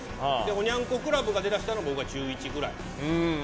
おニャン子クラブが出だしたのが僕が中１の時くらい。